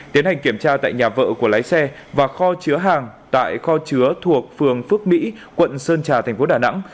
tiến hành kiểm tra tại nhà vợ của lái xe và kho chứa hàng tại kho chứa thuộc phường phước mỹ quận sơn trà thành phố đà nẵng